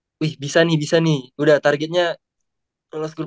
nih kalau aku ambil teman teman saya ni saya akan pakai lebih awareness orang lain